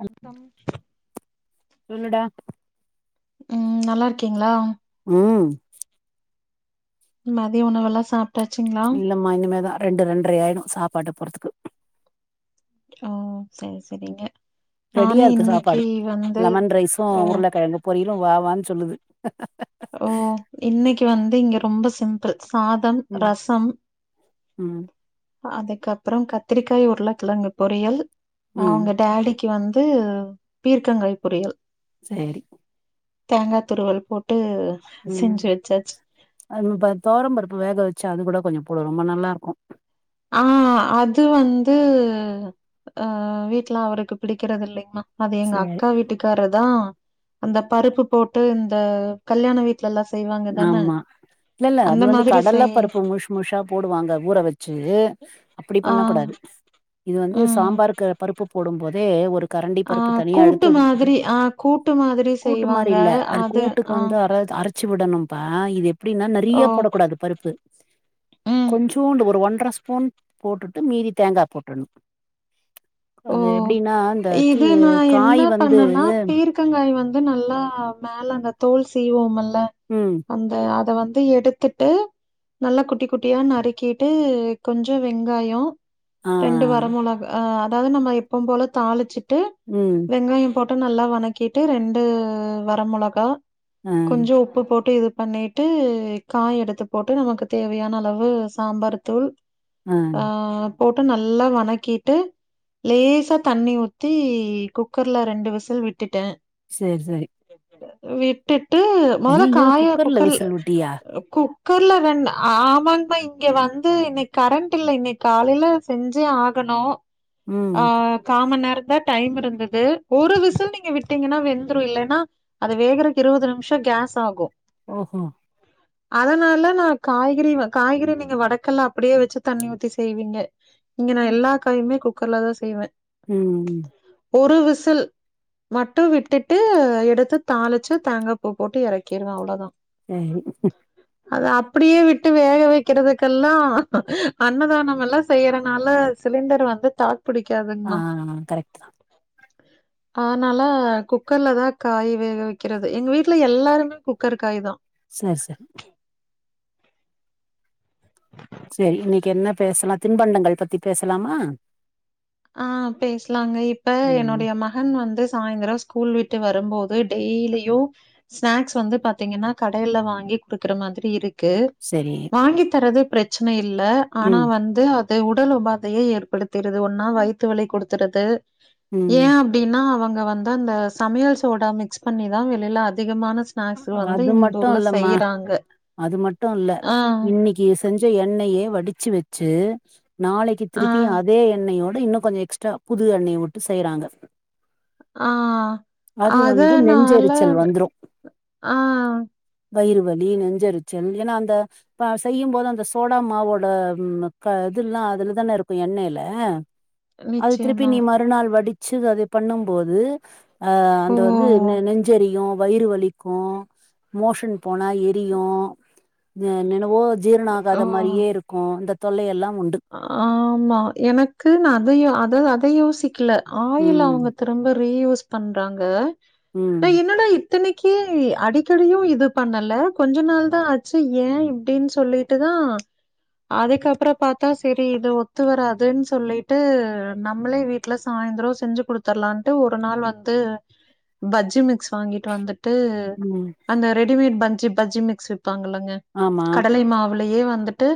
[unintelligible] சொல்லுடா ம் நல்லா இருக்கீங்ளா ம் மதிய உணவெல்லா சாப்ட்டாச்சுங்ளா ஆமா இனிமேதா ரெண்டு ரெண்டரை ஆயிடு சாப்பாடு போறதுக்கு ஓ செரி செரிங்க ரெடியா இருக்கு சாப்பாடு லெமன் ரைசு ஓ உருளக்கெழங்கு பொரிலு வா வான்னு சொல்லுது ஓ இன்னிக்கி வந்து இங்க ரொம்ப சிம்பிள் சாதம் ம் ரசம் ம் அதுக்கப்பறோ கத்திரிக்காய் உருளக்கெழங்கு பொரியல் ம் அவங்க டாடி க்கு வந்து பீர்க்கங்காய் பொரியல் சேரி தேங்கா துருவல் போட்டு ம் செஞ்சு வச்சாச்சு அது இந்த தொவரம் பருப்பு வேக வச்சு அது கூட கொஞ்சோ போடு ரொம்ப நல்லா இருக்கு ஆ அது வந்து அ வீட்ல அவருக்கு பிடிக்கிறது இல்லங்க அது எங்க சேரி அக்கா வீட்டுக்காரர்தா அந்த பருப்பு போட்டு இந்த கல்யாண வீட் லல்லா செய்வாங்க தான, ஆமா இல்ல இல்ல அது அந்த வந்து மாதிரி கடல செய் பருப்பு முஷ் முஷா போடுவாங்க ஊற வச்சு அப்படி ஆ, பண்ண கூடாது இது வந்து ம். சாம்பாருக்கு பருப்பு போடும் போதே ஒரு கரண்டி ஆ பருப்பு தனியா கூட்டு எடுத்து வக்கணு மாதிரி ஆ கூட்டு மாதிரி கூட்டு மாரி செய்வாங்க. இல்ல அது கூட்டுக்கு ஆ, வந்து அர அரச் விடணும்ப்பா இது எப்டின்னா ஓ, நெறிய போடக்கூடாது பருப்பு ம், கொஞ்சோண்டு ஒரு ஒன்ற ஸ்பூன் போட்டுட்டு மீதி தேங்கா போட்றணு ஓ. அது எப்டின்னா இந்த கீ காய் வந்து தேங்காய் வந்து நல்லா மேல அந்த தோல் சீவோமல்ல ம் அந்த அத வந்து எடுத்துட்டு நல்லா குட்டி குட்டியா நறுக்கிட்டு கொஞ்சோ வெங்காயோ ஆ ரெண்டு வர மொளகா ஆ அதாவது நம்ம எப்பவு போல தாளிச்சுட்டு ம் வெங்காயோ போட்டு நல்லா வணக்கிட்டு ரெண்டு வரமொளகா ஆ கொஞ்சோ உப்பு போட்டு இது பண்ணிட்டு காய எடுத்து போட்டு நமக்கு தேவையான அளவு சாம்பார் தூள் ஆ போட்டு நல்லா வணக்கிட்டு லேசா தண்ணி ஊத்தி குக்கர்ல ரெண்டு விசல் விட்டுட்டே சேரி செரி விட்டுட்டு மொத ஐயையோ காய குக்கர்ல விசில் விட்டியா குக் குக்கர்ல ரெண் ஆமாங்கமா இங்க வந்து இன்னக்கி கரண்ட் இல்ல இன்னக்கி காலேல செஞ்சே ஆகணு ம் ஆ காமன் நேரோந்தா டைம் இருந்தது ஒரு விசில் நீங்க விட் டீங்கன்னா வெந்துரு இல்லன்னா அது வேகறதுக்கு இருபது நிம்ஷோ கேஸ் ஆகு ஓகோ அதனால நா காய்கறி காய்கறி நீங்க வடக்கல்ல அப்படியே வச்சு தண்ணி ஊத்தி செய்வீங்க இங்க நா எல்லா காயுமே குக்கர்ல தா செய்வே ம் ஒரு விசில் மட்டு விட்டுட்டு எடுத்து தாளிச்சு தேங்கப்பூ போட்டு இறக்கிருவே அவ்ளதா ஏ கிம் அத அப்டியே விட்டு வேக வக்கிறதுக்கெல்லா அன்னதானம் எல்லா செய்யறனால சிலிண்டர் வந்து தாக்கு ஆ பிடிக்காதுங்கம்மா கரெக்ட் தா அதனால குக்கர்லதா காய் வேக வக்கிறது எங்க வீட்ல எல்லாருமே குக்கர் காய் தா சேர் சேர் சேரி இன்னக்கி என்ன பேசலா தின்பண்டங்கள் பத்தி பேசலாமா ஆ பேஸ்லாங்க இப்ப ம் என்னுடைய ம மகன் வந்து சாய்ந்தரொ ஸ்கூல் விட்டு வரும்போது டெய்லியும் ஸ்நாக்ஸ் வந்து பாத்தீங்கன்னா கடைல்ல வாங்கி குடுக்குற மாதிரி இருக்கு சரி வாங்கி தரது பிரச்சன இல்ல ஆனா ம் வந்து அது உடல் உபாதையை ஏற்படுத்திறுது ன்னா வயித்த வலி கொடுத்துறது ம் ஏன் அப் அப்படின்னா அவங்க வந்து அந்த சமையல் சோடா மிக்ஸ் பண்ணிதான் வெளியில அதிகமான ஸ்நாக்ஸ் வந்து அது இந்த மட்டும் ஊர்ல இல்லம்மா செய்றாங்க. அது மட்டும் இல்ல ஆ, இன்னைக்கு செஞ்ச எண்ணெயே வடிச்சு வச்சு நாளைக்கு ஆ, திருப்பி அது அதே எண்ணெயோட இன்னும் கொஞ்சம் எக்ஸ்ட்ரா புது எண்ணெய்ய வுட்டு செய்றாங்க ஆ அது வந்து நால நெஞ்செரிச்சல் வந்துரு ஆ வயிறு வலி நெஞ்சரிச்சல் ஏன்னா அந்த பசையும் போதுஅந்த சோடா மாவோட ம் க இதுல்லாம் அதுலதான இருக்கும் எண்ணெயில அது திருப்பி நிச்சயமா. நீ மறுநாள் வடிச்சு அதை பண்ணும்போது ஆ ஓ! அந்த வந்து நெஞ்செரியும் வயிறு வலி க்கு மோஷன் போனா எரியும் ந என்னன்னவோ ஜீரணம் ஓ! ஆகாத மாரியே இருக்கும் இந்த தொல்லை எல்லாம் உண்டு ஆமா எனக்கு நா அதையோ அத அதை யோசிக்கல ஆயில் ம் அவுங்க திரும்ப ரீயூஸ் பண்றாங்க ம் டே என்னடா இ இத்தனைக்கு அடிக்கடியும் இது பண்ணல கொஞ்ச நாள் தான் ஆச்சு ஏன் இப்டின்னு சொல்லி ட்டு தான் அதுக்கப்புறம் பா த்த சரி இது ஒத்து வராதுன் சொல்லிட்டு நம்மளே வீட்ல சாய்ந்திரம் செஞ்சு கொடு த்தர்லான்ட்டு ஒரு நாள் வந்து பஜ்ஜி மிக்ஸ் வாங்கிட்டு வந்து ட்டு ம் அந்த ரெடிமேட் பஞ்சி பஜ்ஜி மிக்ஸ் விப்பாங்கல்லங்க ஆமா கடலை மாவுலயே வந்துட்டு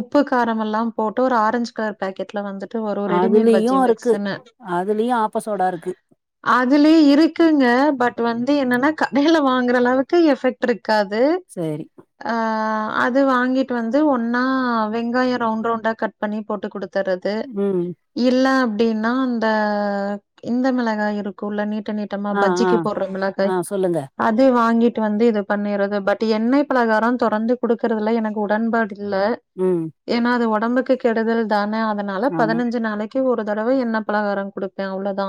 உப்புக் கார் ரம் எல்லாம் போட்டு ஒரு ஆரஞ்ச் கலர் பேக்கெட்ல வந்து ட்டு வரு ரெடிமேட் அதுலயு பஜ்ஜி இருக்கு மிக்ஸ்ன்னு அதுலயு ஆப்ப சோடா இருக்கு அதுலயே இருக்குங்க பட் வந்து என்னன்னா கடையில வாங்குற அளவுக்கு எஃபெக் ட் ருக்கது சரி அ அது வாங்கிட்டு வந்து ஒன்னா வெங்காயம் ரவுண்ட் ரவுண்டா கட் பண்ணி போட்டு குடுத்துறது ம் இல்ல அப்டின்னா அந்த இந்த மிளகாய் இருக்குல்ல நீட்ட நீட் டமா ஆ ஆ பஜ்ஜிக்கு போடுற மிளக்காய் ஆ சொல்லுங்க அது வாங்கிட்டு வந்து இது பண்ணறது பட் எண்ணெய் பலகாரம் தொடர்ந்து கொடுக்குறதுல எனக்கு உடன்பாடு இல்ல ம் ஏன்னா அது ஒடம்புக்கு கெடுதல் தான அதனால ஆமா பதினஞ்சு நாளைக் கு ஒரு தடவ எண்ணெ பலகாரம் கொடுப்பே அவ்ளதா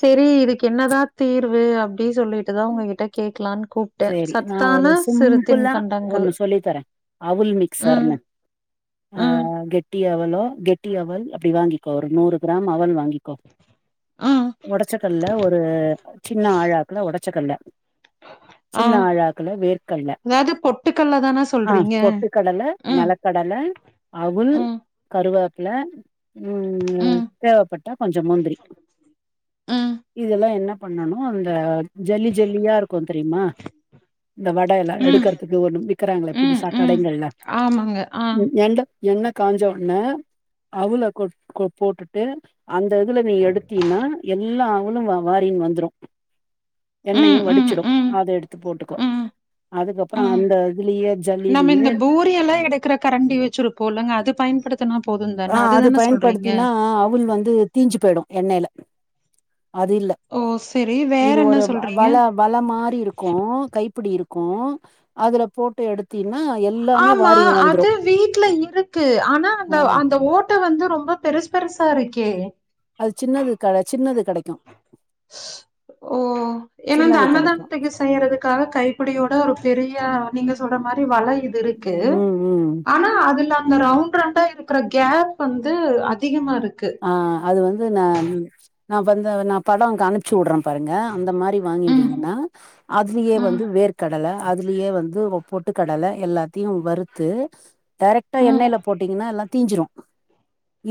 செரி இதுக்கு என்னதா தீர்வு அப்டி சொல்லி ட்டு தா ஒங்ககிட்ட கேட்கலான்னு கூப்ட்டேன் சரி நா ஒரு சத்தான சிறுத்தின் சிம்பிளா பண்டங்கள் ஒண்ணு சொல்லி தரே அவுல் மிக்சர்னு அ ம், கெ ட்டி அவலோ கெட்டி அவல் அப்டி வாங்கிக்கோ ஒரு நூறு கிராம் அவல் வாங்கிக்கோ ம், ஒடச்ச கல்ல ஒரு சின்ன ஆழாக்குல ஒடச்சக்கல்ல ஆ. சின்ன ஆழாக்குள வேர்க்கல்ல அதாவது பொட்டுக்கல்ல தான ஆ சொல்றீங்க? பொட்டு கடல ம், நெலக்கடல அவுல் ம், கருவேப்பல ம் தேவப்பட்டா கொஞ்சொ முந்திரி ம், இதெல்லா என்ன பண்ணணு அந்த ஜல்லி ஜல்லி யா இருக்குந் தெரியும்மா இந்த வட எல்லா ம், எடுக்குறதுக்கு ஒண்ணும் விக்கிறாங்களே ம், புதுசா ம். கடைங்கள்ல ஆமாங்க. ஆ. எந்த எண்ண காஞ்ச உடனே அவுள கொ போட்டுட்டு அந்த இதுல நீ எடுத்தினா எல்லா அவுளும் வாரின் வந்துரும் ம், எண்ணயும் ம், வடிச்சிடும் ம், அத எடுத்து போட்டுக்கோ ம், அதுக்கப்புறம் அந்த இதுலயே ஜல்லிலயே எல்லா எடுக்குற கரண்டி வச்சிருப்போ இல்லங்க அது பயன்படுத்த த்துனா போதும் தான? ஆ அது அதுதான சொல்றீங்க? பயன்படுத்தினா அவுள் வந்து தீஞ்சு போயிடும் எண்ணெயில அது இல்ல ஓ! சரி. வேற இது என்ன ஒரு சொல்றீங்க? வல வல மாறி இருக்கும் கைப்பிடி இருக்கும் அதுல போட்டு எடுத்தீனா எ ஆமா அது வீட்டுல இருக்கு ஆனா ஆ அந்த அந்த ஓ ட்ட வந்து ரொம்ப பெருசு பெருசா இருக்கே அது சின்னது க சின்னது கெடைக்கும் ஓ ஏன்னா இந்த அன்னதானத்துக்கு செய்யிறதுக்காக கைப்பிடியோட ஒரு பெரிய நீங்க சொல்ற மாரி வல இது இருக்கு கு ம் ம் ஆனா அதுல அந்த ரவுண்ட்டு ரவுண்டா இருக்குற கேப் வந்து அதிகமா இருக்கு ஆ அது வந்து நா நா வந்து நா படம் உனக்கு அனுப்ச்சி வுடுறேன் பாருங்க அந்த மாரி ம், வாங்கிட்டீங்கன்னா அதுலயே ம், வந்து வேர்க்கட கடல அதுலயே வந்து ஓ பொட்டு கடல எல்லாத்தையும் வறுத்து டேரக்டா ம். எண்ணையில போட்டீங்கன்னா எல்லா தீஞ்சிரும்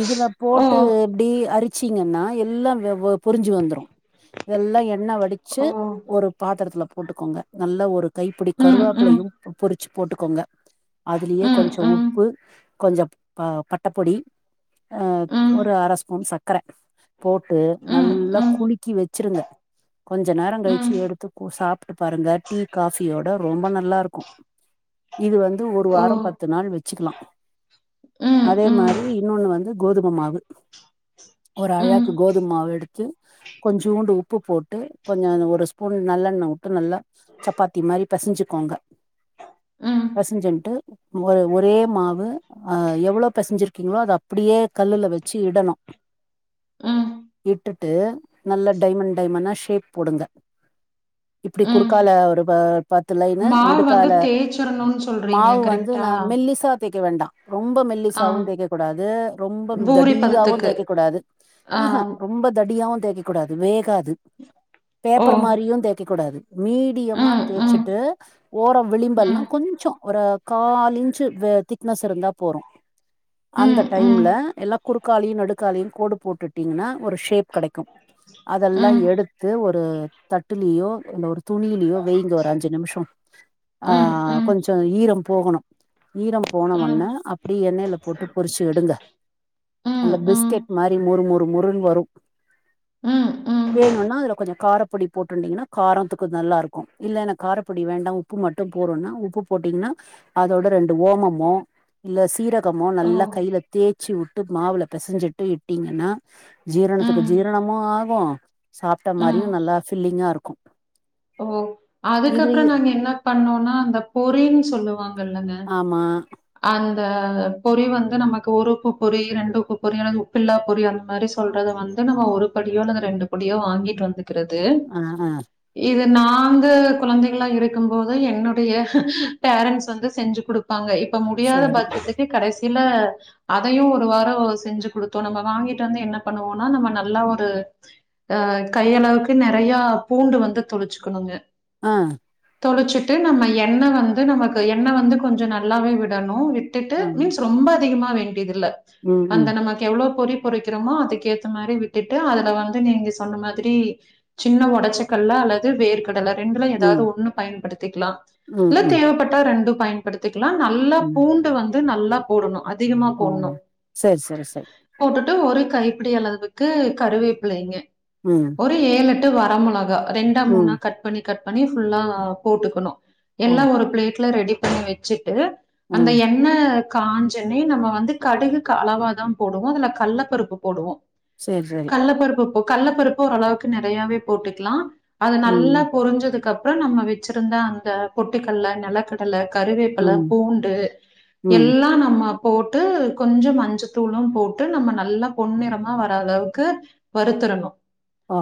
இதுல ஓ! போட்டு எப்படி அரிச்சிங்கன்னா எல்லாம் பொரிஞ்சு வந்துரும் இதெல்லாம் எண்ண வச்சு ஓ! ஒரு பாத்திரத்துல போட்டுக்கோங்க நல்லா ஒரு கைப்பிடி ம், ம், கருவேப்பிளையும் பொரிச்சு போட்டுக்கோங்க அதுலயே ம், கொஞ்சம் ம், உப்பு கொஞ்சம் ப பட்டப்பொடி ஆ ம். ஒரு அரை ஸ்பூன் சக்கர போட்டு நல்லா குளுக்கி வச்சிருங்க கொஞ்ச நேரம் கழிச்சி எடுத்து சாப்ட்டு பாருங்க டீ காஃபியோட ரொம்ப நல்லா இருக்கும் இது வந்து ஒரு வாரம் பத்து நாள் வச்சுக்கலாம் அதே மாரி இன்னொன்னு வந்து கோதும மாவு ஒரு அழாக்கு கோதுமமாவு எடுத்து கொஞ்சோண்டு உப்பு போட்டு கொஞ்சம் ஒரு ஸ்பூன் நல்லெண்ண வுட்டு நல்லா சப்பாத்தி மாரி பெசஞ்சுக்கோங்க பெசஞ்சுட்டு ஒரு ஒரே மாவு அ எவ்வளோ பெசஞ்சிருக்கீங்களோ அத அப்படியே கல்லுல வச் சிடணும் இட்டுட்டு நல்ல டைமண்ட் டைமண்னா ஷேப் போடுங்க இப்படி குறுக்கால ஒரு ப பத்து லைனு வந்து நெடுக்கால தேய்ச்சிரணும்னு சொல்றீங்க மாவு வந்து கரெக்ட்டா? நா மெல்லிசா தேய்க்க வேண்டா ரொம்ப ஆ, மெல்லிஸாவு தேய்க்க கூடாது ரொம்ப பூரி தடியாவும் பதத்துக்கு. தேய்க்க கூடாது ஆ ஹா ரொம்ப தடியாவும் தேய்க்க கூடாது வேகாது ஓ! பேப்பர் மாரியும் தேய்க்க கூடாது மீடியமா ம் ம் தேய்ச்சுட்டு ஓரம் விளிம்பெல்லா ம் கொஞ்சோ ஒரு கால் இன்ச்சு திக்னஸ் இருந்தா போறும் அந்த ம் ம் ம் டைம்ல எல்லா குறுக்காலியும் நெடுக்காலியும் கோடு போட்டுட்டிங்கன்னா ஒரு ஷேப் கிடைக்கும் அதெல்லா ம் எடுத்து ஒரு தட்டுலயோ இல்ல ஒரு துணியிலயோ வைங்க ஒரு அஞ்சு நிமிஷம் ஆ ம் ம் கொஞ்ச ஈரம் போகணு ஈரம் போன உண்ணே அப்டி எண்ணெயில போட்டு பொறிச்சு எடுங்க ம் அல்ல ம் பிஸ்கெட் மாரி மொறு மொறு மொறுன்னு வரு ம் ம். வேணுனா அதுல கொஞ்ச காரப்பொடி போட்டுட்டுடீங்கனா காரத்துக்கு நல்லா இருக்கு இல்லலைன்னா காரப்பொடி வேண்டா உப்பு மட்டு போறுனா உப்பு போட்டீங்னா அதோட ரெண்டு ஓமமோ இல்ல சீர கமோ ஓ! நல்லா கையில தேச்சு வுட்டு மாவுல பெசஞ்சிட்டு இட்டீங்கன்னா ஜீரணத்துக்கு ம் ஜீரணமு ஆகு சாப்ட மாதிரியு ம். நல்லா ஃபில்லிங்கா இருக்கு ஓ அதுக்கப்பற இதுலயே நாங்க என்ன பண்ணோனா அந்த பொறின்னு சொல்லுவாங்க இல்லங்க ஆமா அந்த பொறி வந்து நமக்கு ஒருக்கு பொறி ரெண்டுக்கு பொறி அல்லது உப்பில்லா பொறி அந்த மாரி சொல் சொல்றத வந்து நம்ம ஒரு படியோ அல்லது ரெண்டு படியோ வாங்கிட்டு வந்துக்கிறது ஆ ஆ இது நாங்க குழந்தைகள்லா இருக்கு போது என்னுடைய பேரன்ஸ் வந்து செஞ்சு குடுப்பாங்க இப்ப முடியாத சரி பக்கத்துக்கு கடசில அதையு ஒரு வார செஞ்சு குடுத்தோ நம்ம வாங்கிட்டு வந்து என்ன பண்ணுவோனா நம்ம நல்லா ஒரு அ கைய அளவுக்கு நெறைய பூண்டு வந்து தொளிச்சுக்கணுங்க அ தொளிச்சிட்டு நம்ம எண்ண வந்து நமக்கு எண்ண வந்து கொஞ்ச நல்லாவே விடணு விட் ட்டுட்டு ஆ மீன்ஸ் ரொம்ப அதிகமா வேண்டியது இல்ல ம் அந்த ம் நம்ம எவ்வளவு பொறி பொறிக்கிறோமோ அதுக்கு ஏத்த மாரி விட்டுட்டு அதுல வந்து நீங்க சொன்ன மாதிரி சின்ன ஒடச்சக்கல்ல அல்லது வேர்க டல ரெண்டுல ம் ஏதாவது ஒண்ணு பயன்படுத்திக்லா ம் இல்ல ம் தேவபட்டா ரெண்டு பயன்படுத்திக்லா நல்லா ம் பூண்டு வந்து நல்லா போடணு அதிகமா ஓ போடணு சரி சரி சரி போட்டுட்டு ஒரு கைப்பிடி அளவுக்கு கருவேபிள்ளைங்க ம் ஒரு ஏழெட்டு வர மொளகா ரெண்டா ம் மூணா கட் பண்ணி கட் பண்ணி ஃபுல்லா போட்டுக்கணு ஓ எல்லா ஒரு பிளேட்ல ரெடி பண்ணி வச்சுட்டு அந்த ம் எண் என்ன காஞ்சனே நம்ம வந்து கடுகுக்கு அளவாதா போடுவோ அதுல கள்ளபருப்பு போடுவோ சரி சரி கள்ள பருப்பு போ கள்ள பருப்பு ஓரளவுக்கு நெறையாவே போட்டுக்கலா அது ம் நல்லா பொரிஞ்சதுக்கு அப்ற நம்ம வச்சிருந்த அந்த பொட்டுக்கல்ல நெலக்கல் கல்ல கருவேப்பல ம் பூண்டு ம் எல் லா நம்ம போட்டு கொஞ்ச மஞ்சத்தூளு போட்டு நம்ம நல்லா பொன்னிறமா வர அளவுக்கு வறுத்தரணு ஆ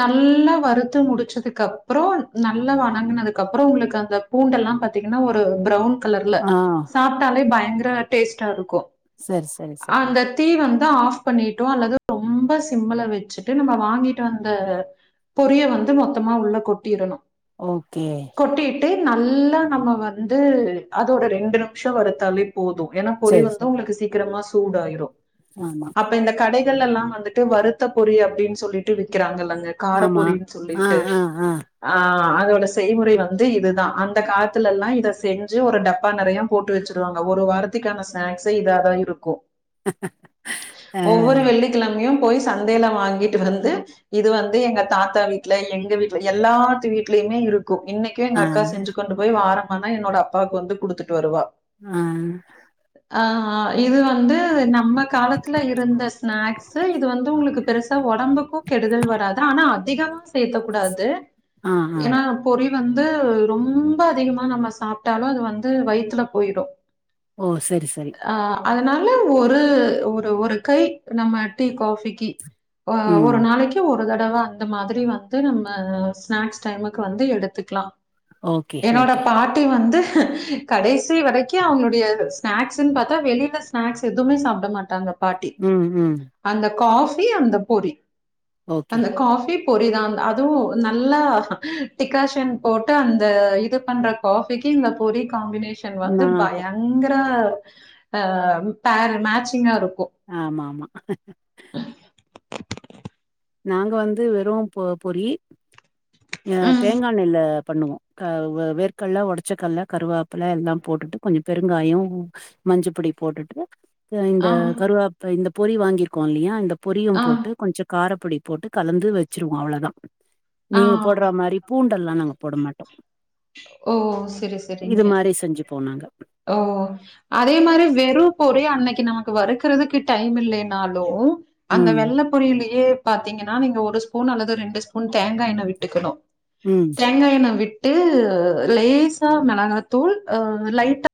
நல்லா வறுத்து முடிச்சதுக்கு அப்ற நல்லா வணங்கினதுக்கு அப்ற உங்களுக்கு அந்தப் பூண்டெல்லா பாத்தீங்கன்னா ஒரு பிரௌன் கலர்ல ஆ சாப்ட்டாலே பயங்கர டேஸ்டா இருக்கு சரி சரி சரி அந்த தீ வந்து ஆஃப் பண்ணிட்டோ அல்லது ரொம்ப சிம்முள வச்சுட்டு நம்ப வாங்கிட்டு வந்த பொரிய வந்து மொத்தமா உள்ள கொட்டிறணு ஓகே கொட்டிட்டு நல்லா நம்ம வந்து அதோட ரெண்டு நிமிஷ வருத்தாலே போது ஏன்னா பொறி சரி வந்து சரி உங்களுக்கு சீக்கிரமா சூடாயிரு ஆமா அப்ப இந்த கடைகள் எல்லா வந்துட்டு வருத்த பொறி அப்டின்னு சொல்லிட்டு விக்கிறாங்கல்லங்க கார ஆமா பொறினு ஆ சொல்லிட்டு ஆ ஆ அதோட செய்முறை வந்து இதுதா அந்த காலத்துல எல்லா இத செஞ்சு ஒரு டப்பா நெறய போட்டு வெச்சிருவாங்க ஒரு வாரத்திக்கான ஸ்நாக்ஸே இதாதா இருக்கு. ஆ ஒவ்வொரு வெள்ளிக்கிழமையும் போய் சந்தையில வாங்கிட்டு வந்து இது வந்து எங்க தாத்தா வீட்ல எங்க வீட்ல எல்லாத்து வீட்லையுமே இருக்கு இன்ன க்கு எங்க ஆ அக்கா செஞ்சு கொண்டு போய் வாரமானா என்னோட அப்பாவுக்கு வந்து குடுத்துட்டு வருவா. அ. அ அ இது வந்து நம்ம காலத்ல இருந்த ஸ்நாக்ஸு இது வந்து உங்குளுக்கு பெருசா ஒடம்புக்கு கெடுதல் வராது ஆனா அதிகமாஸ் சேத்தக் கூடாது. ஆ ஆ பொரி வந்து ரொம்ப அதிகமா நம்ம சாப்ட்டாலு அது வந்து வயித்துல போயிரு. ஓ செரி செரி. ஆ அதனால ஒரு ஒரு ஒரு கை நம்ம டீ காஃபிக்கி அ ம் ஒரு நாளைக்கி உ ஒரு தடவ அந்த மாதிரி வந்து நம்ம ஸ்நாக்ஸ் டைமுக்கு வந்து எடுத்துக்லா. ஓகே என்னோட ஓகே பாட்டி வந்து கடைசி வரைக்கு அவுங்ளுடைய ஸ்நாக்ஸ்ன் பாத்தா வெளில ஸ்நாக்ஸு எதுமே சாப்ட மாட்டாங்க பாட்டி. ம் ம். அந்த காஃபி அந்த பொரி. ஓகே அந்த காஃபி பொரிதான் அதுவு நல்லா டிக்காஷன் போட்டு அந்த இது பண்ற காஃபிக்கு இந்த பொரிக் காம்பினேஷன் வந்து நல்லாருக்கும் பயங்கர அ பேர் மேச்சிங்காருக்கு. ஆமா ஆமா. நாங்க வந்து வெரும் பொ பொரி அ ஆ தேங்கா எண்ணைல பண்ணுவோ. க வ வேர்க்கல்ல ஒடச்சக்கல்ல கருவேப்புல எல்லாம் போட்டுட்டு கொஞ்சோ பெருங்காயோ மஞ்சபொடி போட்டுட்டு அ இந்த ஆ கருவாப் இந்த பொரி வாங்கிருக்கோ இல்லியா இந்த பொரியும் ஆ போட்டு கொஞ்சோ கார பொடி போட்டு கலந்து வெச்சிருவோ அவ்ளதா ஆ நீங்க போட்ற மாரி பூண்டல்லா நாங்க போட மா ட்டோ ஓ! சரி, இது சரிங்க. மாரி செஞ்சிப்போ நாங்க. ஓ. அதே மாரி வெறு பொரி அன்னைக்கு நமக்கு வறுக்கறதுக்கு டைம் இல்லைனாலு அந்த ம் வெள்ள பொரிலயே பாத்தீங்கனா நீங்க ஒரு ஸ்பூன் அல்லது ரெண்டு ஸ்பூன் தேங்கா எண்ண விட்டுக்கணு. ம். தேங்கா எண்ண விட்டு லேசா மெளகா தூள் அ லைட்டா